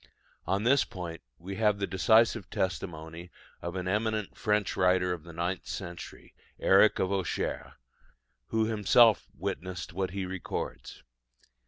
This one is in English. On this point we have the decisive testimony of an eminent French writer of the ninth century, Eric of Auxerre, who himself witnessed what he records.